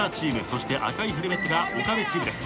そして赤いヘルメットが岡部チームです。